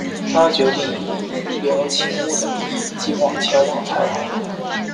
他决定以医疗勤务的名义计画前往台湾。